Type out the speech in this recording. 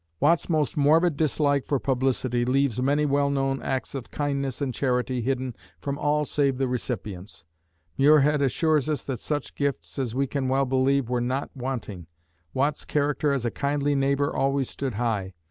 Watt's almost morbid dislike for publicity leaves many well known acts of kindness and charity hidden from all save the recipients. Muirhead assures us that such gifts as we can well believe were not wanting. Watt's character as a kindly neighbor always stood high.